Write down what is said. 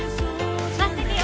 待っててよ！